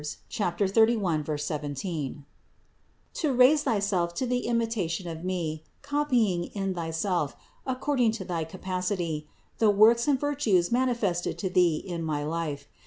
31, 17), to raise thy self to the imitation of me, copying in thyself, according to thy capacity, the works and virtues manifested to thee in my life.